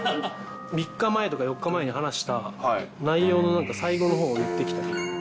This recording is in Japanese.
３日前とか４日前に話した内容の、なんか最後のほうを言ってきたり。